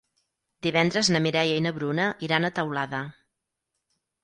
Divendres na Mireia i na Bruna iran a Teulada.